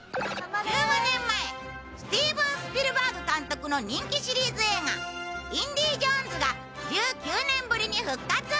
１５年前スティーブン・スピルバーグ監督の人気シリーズ映画『インディ・ジョーンズ』が１９年ぶりに復活。